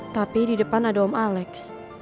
tapi di depan ada om alex